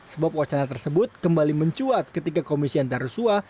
sebab wacana tersebut kembali mencuat ketika komisi antarusua